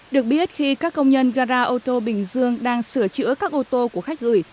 được biết khi các công nhân gara ô tô bình dương đang sửa chữa các ô tô của khách gửi